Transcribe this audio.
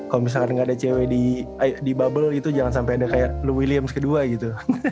kalo misalkan gak ada cewek di bubble itu jangan sampai ada kayak lou williams kedua gitu